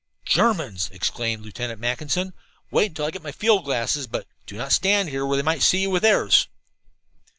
"Germans!" exclaimed Lieutenant Mackinson. "Wait until I get my field glasses, but do not stand where they might see you with theirs."